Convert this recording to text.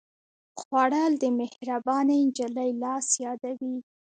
خوړل د مهربانې نجلۍ لاس یادوي